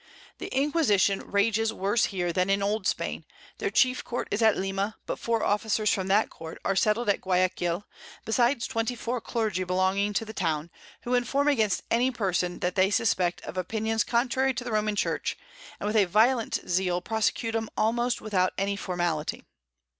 The Inquisition rages worse here than in Old Spain; their chief Court is at Lima, but 4 Officers from that Court are settl'd at Guiaquil, besides 24 Clergy belonging to the Town, who inform against any Person that they suspect of Opinions contrary to the Roman Church, and with a violent Zeal prosecute 'em almost without any Formality.